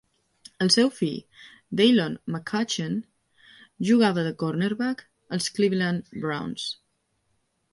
El seu fill Daylon McCutcheon jugava de "cornerback" als Cleveland Browns.